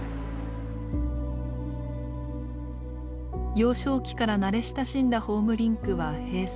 幼少期から慣れ親しんだホームリンクは閉鎖。